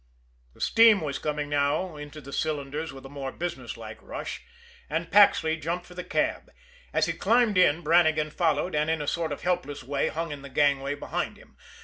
The steam was coming now into the cylinders with a more businesslike rush and Paxley jumped for the cab. As he climbed in, Brannigan followed, and in a sort of helpless way hung in the gangway behind him.